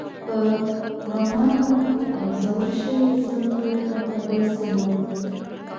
په بمانو الوزول شوې ځمکې پرته بل څه نه وو.